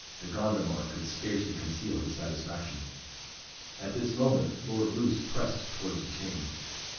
De Gondomar could scarcely conceal his satisfaction. At this moment Lord Roos pressed towards the King.